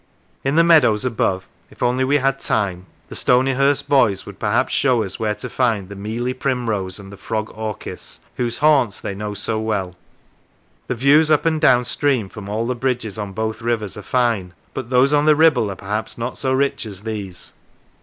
In the meadows above, if only we had time, the Stonyhurst boys would perhaps show us where to find the mealy primrose and the frog orchis, whose haunts they know so well. The views up and down stream from all the bridges on both rivers are fine, but those on the Ribble are perhaps not so rich as these.